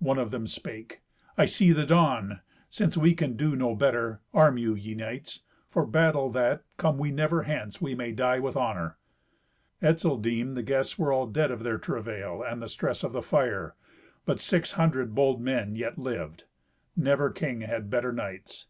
One of them spake, "I see the dawn. Since we can do no better, arm you, ye knights, for battle, that, come we never hence, we may die with honour." Etzel deemed the guests were all dead of their travail and the stress of the fire. But six hundred bold men yet lived. Never king had better knights.